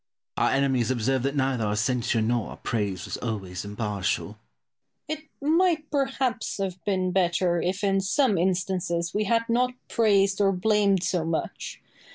Our enemies observe that neither our censure nor our praise was always impartial. Boileau. It might perhaps have been better if in some instances we had not praised or blamed so much.